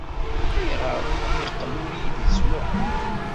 Ayɣer ay yeqqel ur iyi-d-yettmuqqul?